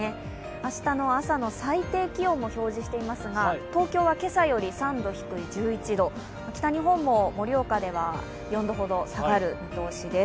明日の朝の最低気温も表示していますが、東京は今朝より３度低い１１度北日本も盛岡では４度ほど下がる見通しです